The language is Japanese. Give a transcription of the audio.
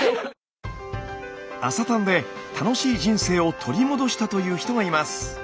「朝たん」で楽しい人生を取り戻したという人がいます。